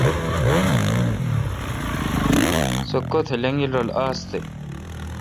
سوُ کتھ لنگیل رل آس